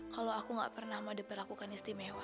kalau aku gak pernah mau diperlakukan istimewa